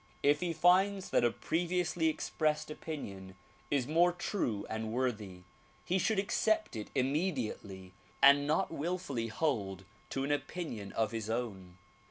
If he finds that a previously expressed opinion is more true and worthy, he should accept it immediately and not wilfully hold to an opinion of his own.